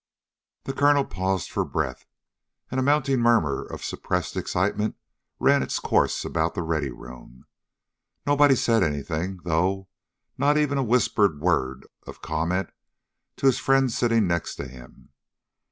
The colonel paused for breath, and a mounting murmur of suppressed excitement ran its course about the Ready Room. Nobody said anything, though, not even a whispered word of comment to his friend sitting next to him.